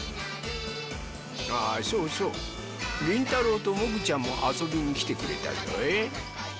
ああそうそうりんたろうともぐちゃんもあそびにきてくれたぞい。